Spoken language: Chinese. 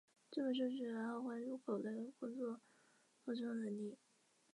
这本书主要关注狗类工作服从能力。